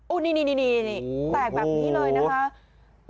อู้นี่แปลกแบบนี้เลยนะคะ